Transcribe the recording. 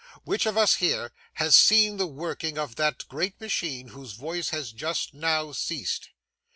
Which of us here has seen the working of that great machine whose voice has just now ceased?